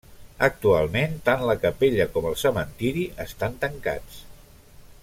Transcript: Actualment tant la capella com el cementiri estan tancats.